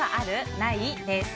ない？です。